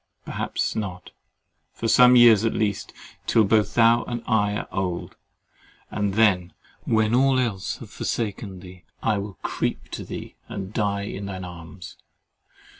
Perhaps not—for some years at least—till both thou and I are old—and then, when all else have forsaken thee, I will creep to thee, and die in thine arms.